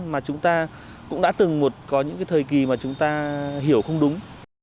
mà chúng ta cũng đã từng có những cái thời kỳ mà chúng ta hiểu không đúng